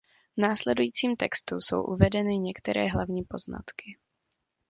V následujícím textu jsou uvedeny některé hlavní poznatky.